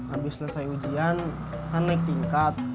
cuman abis selesai ujian kan naik tingkat